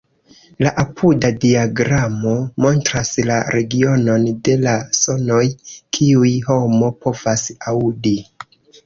La apuda diagramo montras la regionon de la sonoj, kiujn homo povas aŭdi.